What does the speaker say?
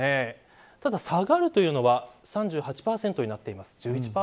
ただ、下がるというのは３８％になっています。